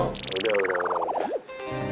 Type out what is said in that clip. udah udah udah